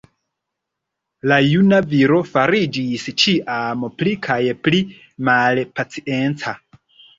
La juna viro fariĝis ĉiam pli kaj pli malpacienca.